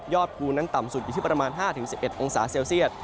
ภูมินั้นต่ำสุดอยู่ที่ประมาณ๕๑๑องศาเซลเซียต